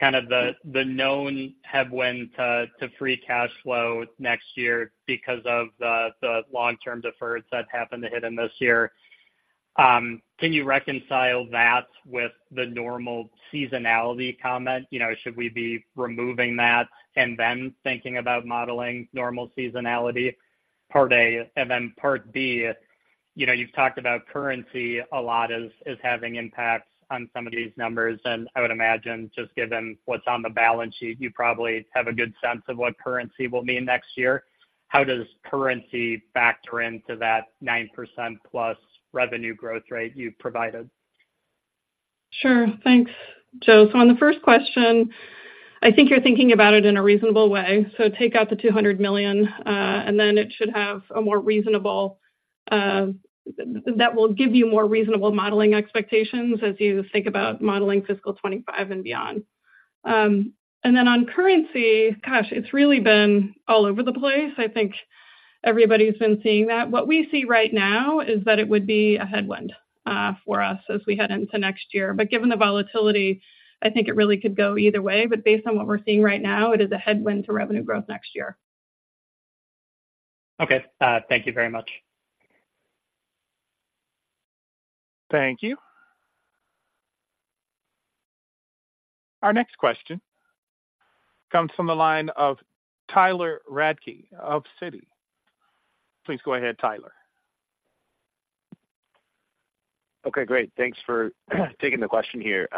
kind of the, the known headwind to, to free cash flow next year because of the, the long-term deferments that happened to hit in this year. Can you reconcile that with the normal seasonality comment? You know, should we be removing that and then thinking about modeling normal seasonality, part A? And then part B, you know, you've talked about currency a lot as, as having impacts on some of these numbers, and I would imagine, just given what's on the balance sheet, you probably have a good sense of what currency will mean next year. How does currency factor into that 9%+ revenue growth rate you've provided? Sure. Thanks, Joe. So on the first question, I think you're thinking about it in a reasonable way. So take out the $200 million, and then it should have a more reasonable, that will give you more reasonable modeling expectations as you think about modeling fiscal 2025 and beyond. And then on currency, gosh, it's really been all over the place. I think everybody's been seeing that. What we see right now is that it would be a headwind for us as we head into next year. But given the volatility, I think it really could go either way. But based on what we're seeing right now, it is a headwind to revenue growth next year. Okay. Thank you very much. Thank you. Our next question comes from the line of Tyler Radke of Citi. Please go ahead, Tyler. Okay, great. Thanks for taking the question here.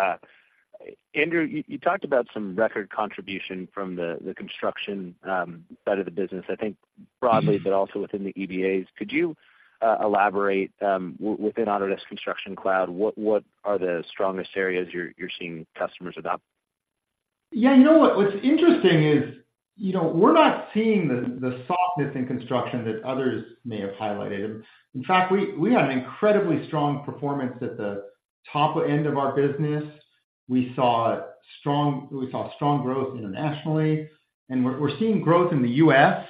Andrew, you talked about some record contribution from the construction side of the business, I think broadly, but also within the EBAs. Could you elaborate within Autodesk Construction Cloud, what are the strongest areas you're seeing customers adopt? Yeah, you know what? What's interesting is you know, we're not seeing the softness in construction that others may have highlighted. In fact, we had an incredibly strong performance at the top end of our business. We saw strong growth internationally, and we're seeing growth in the U.S.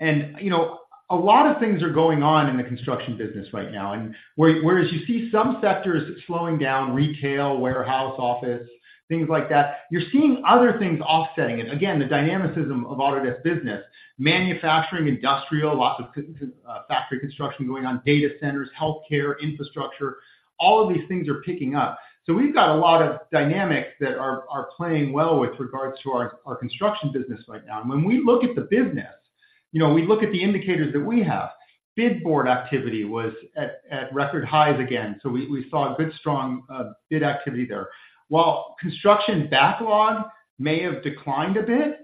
And, you know, a lot of things are going on in the construction business right now. And whereas you see some sectors slowing down, retail, warehouse, office, things like that, you're seeing other things offsetting it. Again, the dynamism of Autodesk business, manufacturing, industrial, lots of factory construction going on, data centers, healthcare, infrastructure, all of these things are picking up. So we've got a lot of dynamics that are playing well with regards to our construction business right now. When we look at the business, you know, we look at the indicators that we have. Bid Board activity was at record highs again, so we saw a good, strong bid activity there. While construction backlog may have declined a bit,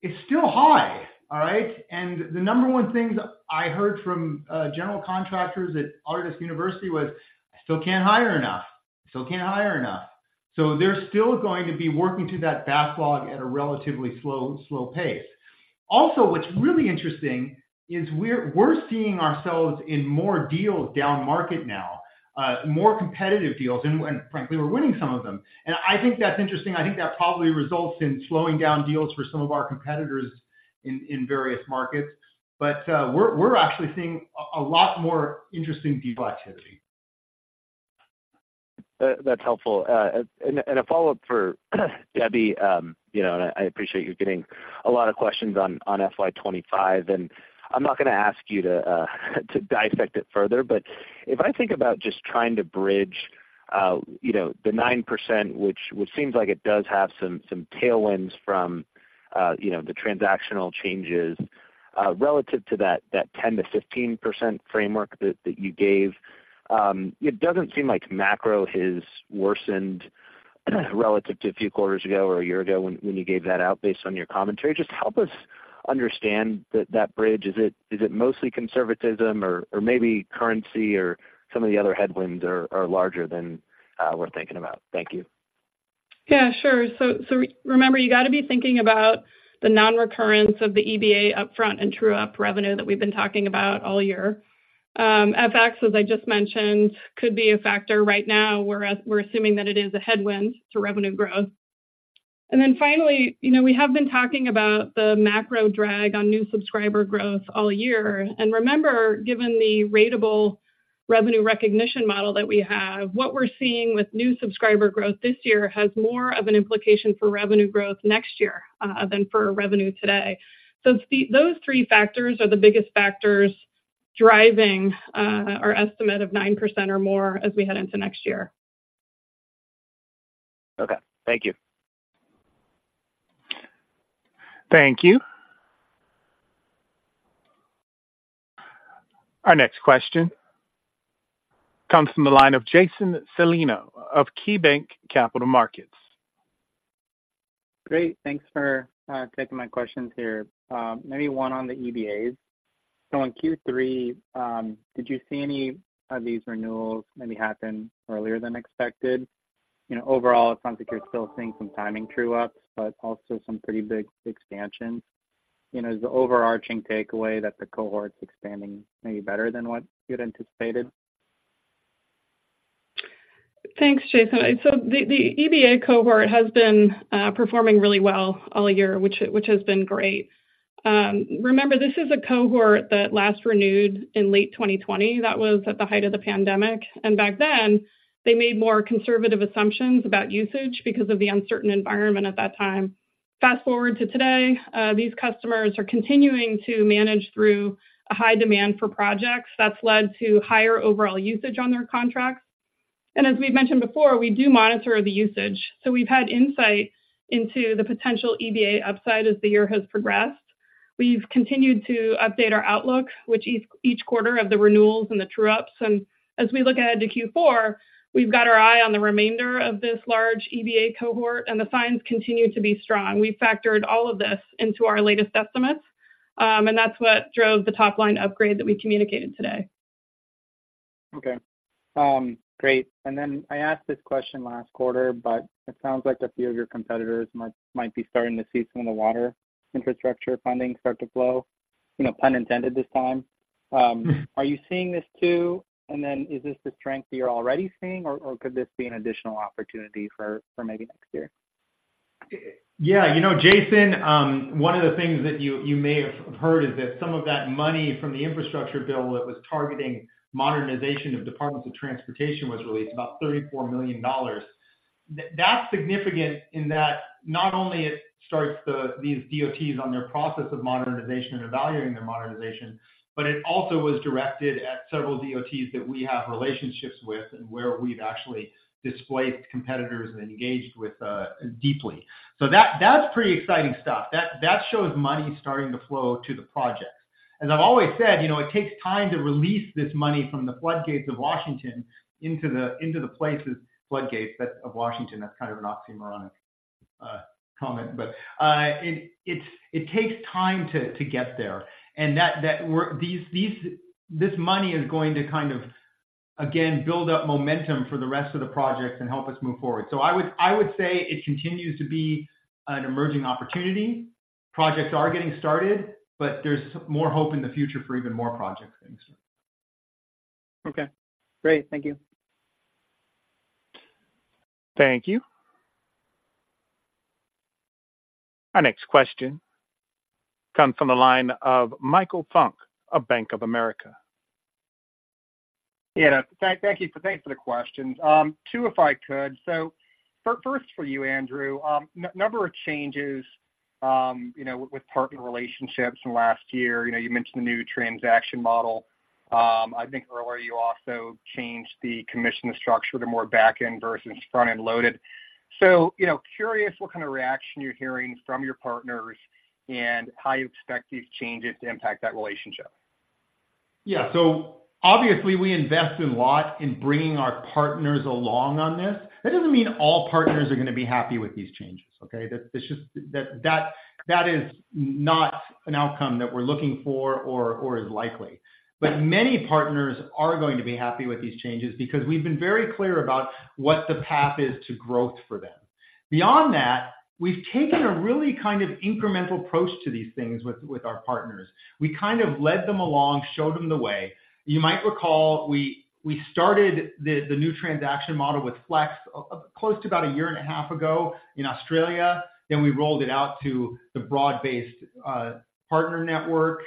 it's still high, all right? The number one things I heard from general contractors at Autodesk University was, "I still can't hire enough. Still can't hire enough." So they're still going to be working through that backlog at a relatively slow pace. Also, what's really interesting is we're seeing ourselves in more deals down market now, more competitive deals, and frankly, we're winning some of them. I think that's interesting. I think that probably results in slowing down deals for some of our competitors in various markets. But, we're actually seeing a lot more interesting deal activity. That's helpful. And a follow-up for Debbie, you know, and I appreciate you getting a lot of questions on FY 2025, and I'm not gonna ask you to dissect it further. But if I think about just trying to bridge, you know, the 9%, which seems like it does have some tailwinds from, you know, the transactional changes, relative to that 10%-15% framework that you gave, it doesn't seem like macro has worsened relative to a few quarters ago or a year ago when you gave that out, based on your commentary. Just help us understand that bridge. Is it mostly conservatism or maybe currency or some of the other headwinds are larger than we're thinking about? Thank you. Yeah, sure. So remember, you gotta be thinking about the nonrecurrence of the EBA upfront and true-up revenue that we've been talking about all year. FX, as I just mentioned, could be a factor right now, whereas we're assuming that it is a headwind to revenue growth. And then finally, you know, we have been talking about the macro drag on new subscriber growth all year. And remember, given the ratable revenue recognition model that we have, what we're seeing with new subscriber growth this year has more of an implication for revenue growth next year than for revenue today. So those three factors are the biggest factors driving our estimate of 9% or more as we head into next year. Okay, thank you. Thank you. Our next question comes from the line of Jason Celino of KeyBanc Capital Markets. Great, thanks for taking my questions here. Maybe one on the EBAs. So in Q3, did you see any of these renewals maybe happen earlier than expected? You know, overall, it sounds like you're still seeing some timing true-ups, but also some pretty big expansions. You know, is the overarching takeaway that the cohort's expanding maybe better than what you'd anticipated? Thanks, Jason. So the EBA cohort has been performing really well all year, which has been great. Remember, this is a cohort that last renewed in late 2020. That was at the height of the pandemic, and back then, they made more conservative assumptions about usage because of the uncertain environment at that time. Fast forward to today, these customers are continuing to manage through a high demand for projects. That's led to higher overall usage on their contracts. And as we've mentioned before, we do monitor the usage, so we've had insight into the potential EBA upside as the year has progressed. We've continued to update our outlook with each quarter of the renewals and the true-ups, and as we look ahead to Q4, we've got our eye on the remainder of this large EBA cohort, and the signs continue to be strong. We factored all of this into our latest estimates, and that's what drove the top-line upgrade that we communicated today. Okay. Great. And then I asked this question last quarter, but it sounds like a few of your competitors might, might be starting to see some of the water infrastructure funding start to flow, you know, pun intended this time. Are you seeing this too? And then, is this the strength that you're already seeing, or, or could this be an additional opportunity for, for maybe next year? Yeah, you know, Jason, one of the things that you may have heard is that some of that money from the infrastructure bill that was targeting modernization of Departments of Transportation was released, about $34 million. That's significant in that not only it starts these DOTs on their process of modernization and evaluating their modernization, but it also was directed at several DOTs that we have relationships with and where we've actually displaced competitors and engaged with deeply. So that's pretty exciting stuff. That shows money starting to flow to the projects. As I've always said, you know, it takes time to release this money from the floodgates of Washington into the places. Floodgates but of Washington, that's kind of an oxymoronic comment. But, it takes time to get there, and that work—these, this money is going to kind of—again, build up momentum for the rest of the projects and help us move forward. So I would say it continues to be an emerging opportunity. Projects are getting started, but there's more hope in the future for even more projects. Thanks. Okay, great. Thank you. Thank you. Our next question comes from the line of Michael Funk of Bank of America. Yeah, thanks for the questions. Two, if I could. So first for you, Andrew, a number of changes, you know, with partner relationships from last year. You know, you mentioned the new transaction model. I think earlier, you also changed the commission structure to more back-end versus front-end loaded. So, you know, curious what kind of reaction you're hearing from your partners and how you expect these changes to impact that relationship. Yeah. So obviously, we invest a lot in bringing our partners along on this. That doesn't mean all partners are going to be happy with these changes, okay? That's just not an outcome that we're looking for or is likely. But many partners are going to be happy with these changes because we've been very clear about what the path is to growth for them. Beyond that, we've taken a really kind of incremental approach to these things with our partners. We kind of led them along, showed them the way. You might recall, we started the new transaction model with Flex close to about a year and a half ago in Australia, then we rolled it out to the broad-based partner network,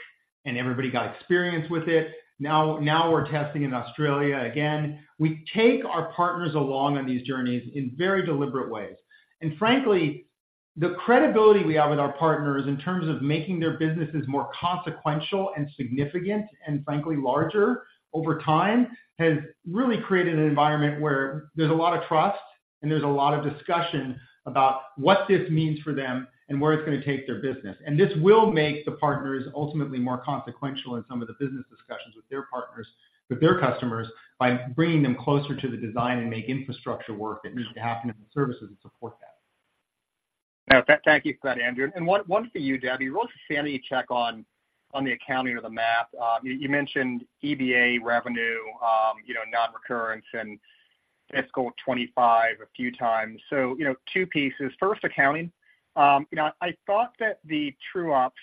and everybody got experience with it. Now we're testing in Australia again. We take our partners along on these journeys in very deliberate ways. And frankly, the credibility we have with our partners in terms of making their businesses more consequential and significant, and frankly, larger over time, has really created an environment where there's a lot of trust and there's a lot of discussion about what this means for them and where it's going to take their business. And this will make the partners ultimately more consequential in some of the business discussions with their partners, with their customers, by bringing them closer to the design and make infrastructure work that needs to happen, and the services to support that. Yeah. Thank you for that, Andrew. And one for you, Debbie. Just a sanity check on the accounting or the math. You mentioned EBA revenue, you know, nonrecurrence and fiscal 2025 a few times. So, you know, two pieces. First, accounting. You know, I thought that the true-ups,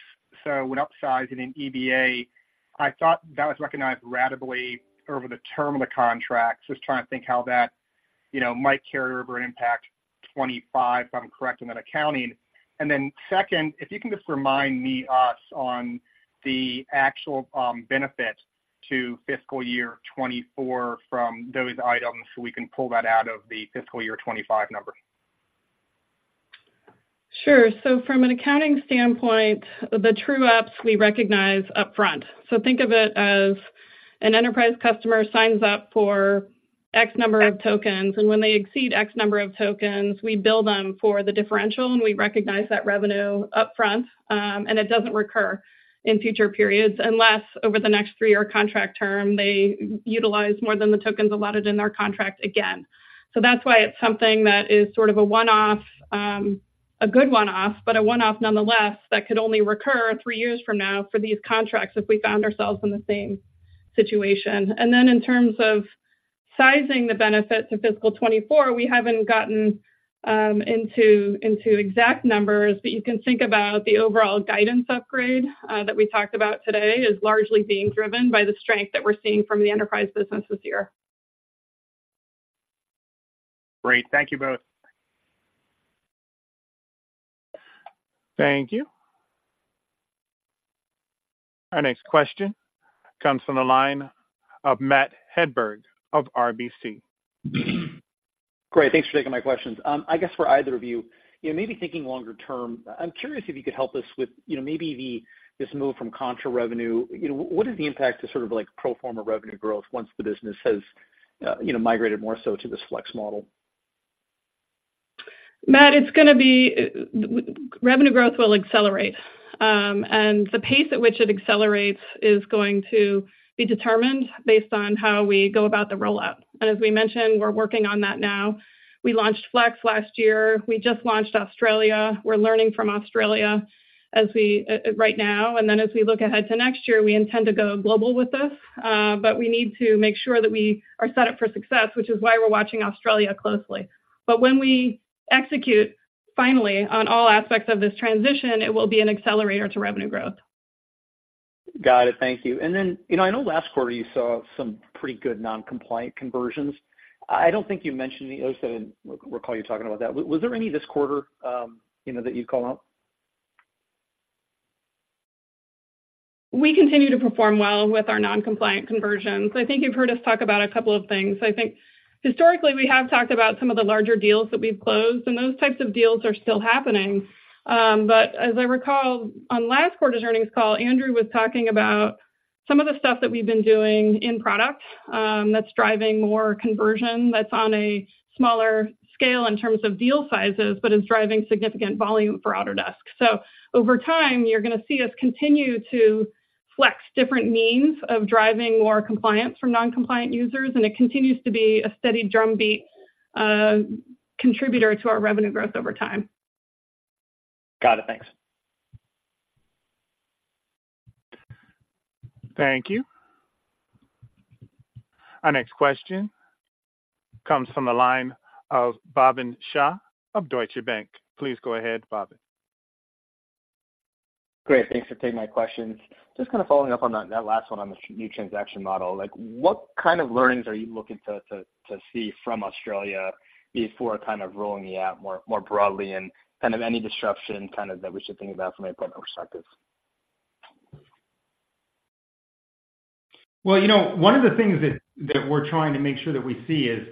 so when upsizing in EBA, I thought that was recognized ratably over the term of the contract. Just trying to think how that, you know, might carry over and impact 2025, if I'm correct in that accounting. And then second, if you can just remind me, us, on the actual, benefit to fiscal year 2024 from those items, so we can pull that out of the fiscal year 2025 number. Sure. So from an accounting standpoint, the true-ups we recognize upfront. So think of it as an enterprise customer signs up for X number of tokens, and when they exceed X number of tokens, we bill them for the differential, and we recognize that revenue upfront, and it doesn't recur in future periods, unless over the next three-year contract term, they utilize more than the tokens allotted in their contract again. So that's why it's something that is sort of a one-off, a good one-off, but a one-off nonetheless, that could only recur three years from now for these contracts if we found ourselves in the same situation. Then in terms of sizing the benefit to fiscal 2024, we haven't gotten into exact numbers, but you can think about the overall guidance upgrade that we talked about today is largely being driven by the strength that we're seeing from the enterprise business this year. Great. Thank you both. Thank you. Our next question comes from the line of Matt Hedberg of RBC. Great. Thanks for taking my questions. I guess for either of you, you know, maybe thinking longer term, I'm curious if you could help us with, you know, maybe the, this move from contra revenue. You know, what is the impact to sort of like pro forma revenue growth once the business has, you know, migrated more so to this Flex model? Matt, it's gonna be revenue growth will accelerate, and the pace at which it accelerates is going to be determined based on how we go about the rollout. And as we mentioned, we're working on that now. We launched Flex last year. We just launched Australia. We're learning from Australia as we right now, and then as we look ahead to next year, we intend to go global with this, but we need to make sure that we are set up for success, which is why we're watching Australia closely. But when we execute finally on all aspects of this transition, it will be an accelerator to revenue growth. Got it. Thank you. And then, you know, I know last quarter you saw some pretty good non-compliant conversions. I don't think you mentioned those. I didn't recall you talking about that. Was there any this quarter, you know, that you'd call out? We continue to perform well with our non-compliant conversions. I think you've heard us talk about a couple of things. I think historically, we have talked about some of the larger deals that we've closed, and those types of deals are still happening. But as I recall, on last quarter's earnings call, Andrew was talking about some of the stuff that we've been doing in product, that's driving more conversion, that's on a smaller scale in terms of deal sizes, but is driving significant volume for Autodesk. So over time, you're gonna see us continue to flex different means of driving more compliance from non-compliant users, and it continues to be a steady drumbeat, contributor to our revenue growth over time. Got it. Thanks. Thank you. Our next question comes from the line of Bhavin Shah of Deutsche Bank. Please go ahead, Bhavin. Great, thanks for taking my questions. Just kind of following up on that last one on the new transaction model, like, what kind of learnings are you looking to see from Australia before kind of rolling it out more broadly? And kind of any disruption kind of that we should think about from a partner perspective? Well, you know, one of the things that we're trying to make sure that we see is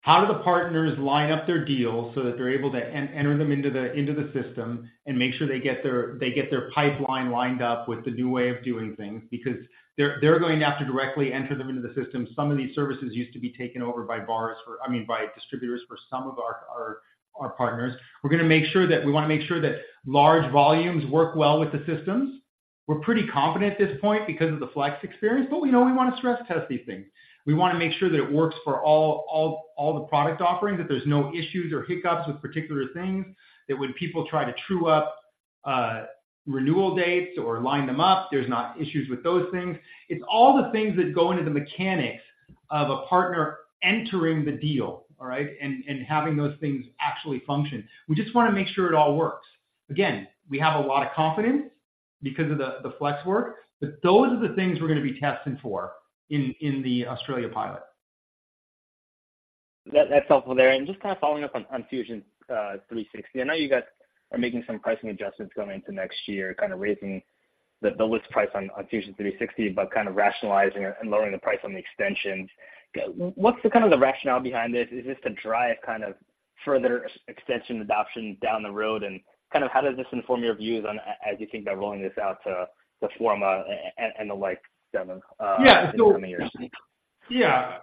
how do the partners line up their deals so that they're able to enter them into the system and make sure they get their pipeline lined up with the new way of doing things? Because they're going to have to directly enter them into the system. Some of these services used to be taken over byVARrs, or I mean, by distributors for some of our partners. We're gonna make sure that... We wanna make sure that large volumes work well with the systems. We're pretty confident at this point because of the Flex experience, but we know we wanna stress test these things. We wanna make sure that it works for all the product offerings, that there's no issues or hiccups with particular things. That when people try to true up renewal dates or line them up, there's not issues with those things. It's all the things that go into the mechanics of a partner entering the deal, all right? And having those things actually function. We just wanna make sure it all works. Again, we have a lot of confidence because of the Flex work, but those are the things we're gonna be testing for in the Australia pilot. That, that's helpful there. And just kind of following up on Fusion 360, I know you guys are making some pricing adjustments going into next year, kind of raising the list price on Fusion 360, but kind of rationalizing and lowering the price on the extensions. What's the kind of the rationale behind this? Is this to drive kind of further extension adoption down the road? And kind of how does this inform your views on as you think about rolling this out to the Forma and the like, coming years? Yeah.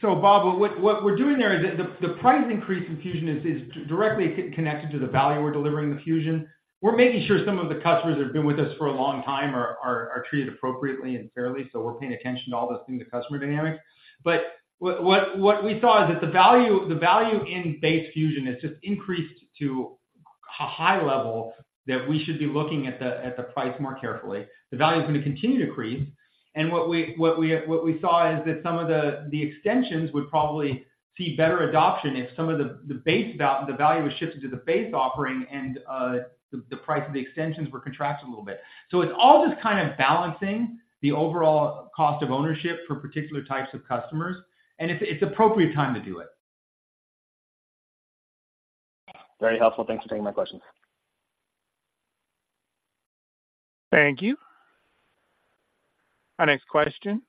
So, Bhavin, what we're doing there is the price increase in Fusion is directly connected to the value we're delivering in Fusion. We're making sure some of the customers who have been with us for a long time are treated appropriately and fairly, so we're paying attention to all those things, the customer dynamics. But what we saw is that the value in base Fusion has just increased to a high level that we should be looking at the price more carefully. The value is gonna continue to increase, and what we saw is that some of the extensions would probably see better adoption if some of the base value was shifted to the base offering and the price of the extensions were contracted a little bit. So it's all just kind of balancing the overall cost of ownership for particular types of customers, and it's appropriate time to do it. Very helpful. Thanks for taking my questions. Thank you. Our next question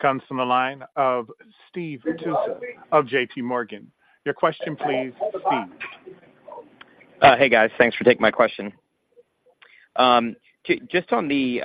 comes from the line of Steve Tusa of JP Morgan. Your question please, Steve. Hey, guys. Thanks for taking my question. Just on the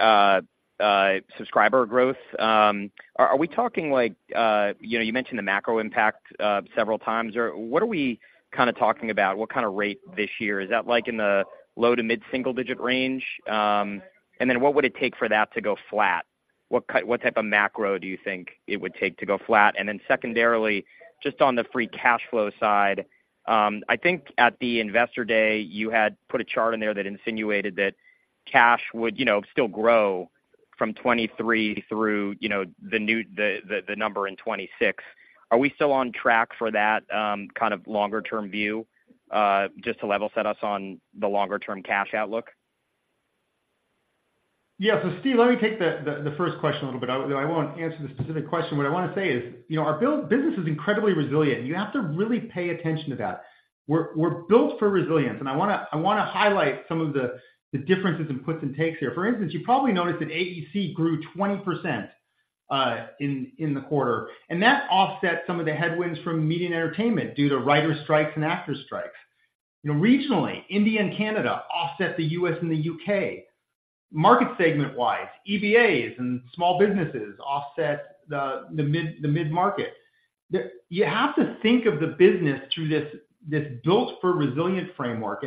subscriber growth, are we talking like, you know, you mentioned the macro impact several times, or what are we kinda talking about? What kind of rate this year? Is that like in the low to mid-single digit range? And then what would it take for that to go flat? What type of macro do you think it would take to go flat? And then secondarily, just on the free cash flow side, I think at the Investor Day, you had put a chart in there that insinuated that cash would, you know, still grow from 2023 through, you know, the new, the number in 2026. Are we still on track for that kind of longer-term view? Just to level set us on the longer-term cash outlook. Yeah. So, Steve, let me take the first question a little bit. I won't answer the specific question. What I wanna say is, you know, our build business is incredibly resilient. You have to really pay attention to that. We're built for resilience, and I wanna highlight some of the differences in puts and takes here. For instance, you probably noticed that AEC grew 20% in the quarter, and that offsets some of the headwinds from media and entertainment due to writers' strikes and actors' strikes. You know, regionally, India and Canada offset the U.S. and the U.K. Market segment-wise, EBAs and small businesses offset the mid-market. You have to think of the business through this built-for-resilience framework.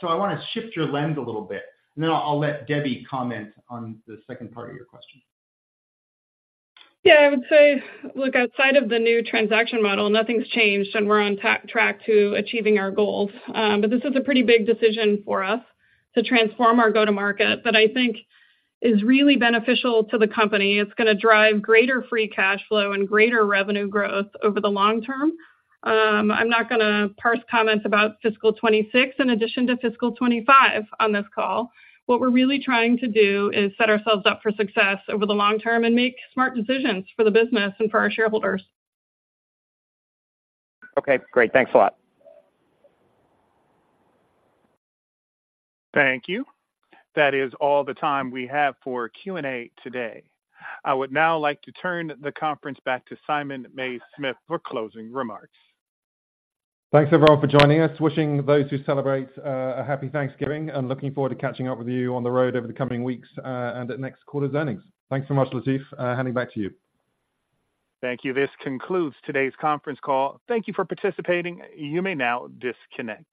So I wanna shift your lens a little bit, and then I'll let Debbie comment on the second part of your question. Yeah, I would say, look, outside of the new transaction model, nothing's changed, and we're on track to achieving our goals. But this is a pretty big decision for us to transform our go-to-market that I think is really beneficial to the company. It's gonna drive greater free cash flow and greater revenue growth over the long term. I'm not gonna parse comments about fiscal 26 in addition to fiscal 25 on this call. What we're really trying to do is set ourselves up for success over the long term and make smart decisions for the business and for our shareholders. Okay, great. Thanks a lot. Thank you. That is all the time we have for Q&A today. I would now like to turn the conference back to Simon Mays-Smith for closing remarks. Thanks, everyone, for joining us. Wishing those who celebrate a happy Thanksgiving and looking forward to catching up with you on the road over the coming weeks, and at next quarter's earnings. Thanks so much, Latif. Handing back to you. Thank you. This concludes today's conference call. Thank you for participating. You may now disconnect.